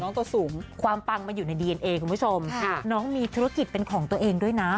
ตัวสูงความปังมันอยู่ในดีเอ็นเอคุณผู้ชมค่ะน้องมีธุรกิจเป็นของตัวเองด้วยนะ